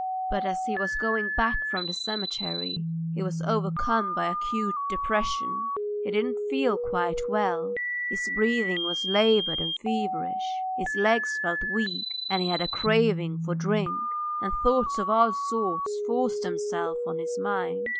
But as he was going back from the cemetery he was overcome by acute depression. He didn't feel quite well: his breathing was laboured and feverish, his legs felt weak, and he had a craving for drink. And thoughts of all sorts forced themselves on his mind.